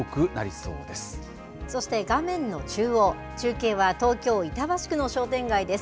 そして画面の中央、中継は東京・板橋区の商店街です。